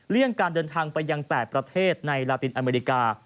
การเดินทางไปยัง๘ประเทศในลาตินอเมริกา